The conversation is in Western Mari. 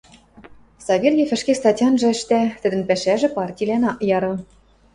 Савельев ӹшке статянжы ӹштӓ, тӹдӹн пӓшӓжӹ партилӓн ак яры.